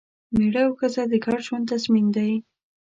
مېړه او ښځه د ګډ ژوند تضمین دی.